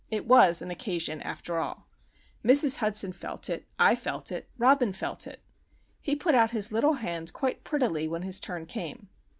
It was an Occasion, after all. Mrs. Hudson felt it, I felt it, Robin felt it. He put out his little hand quite prettily when his turn came.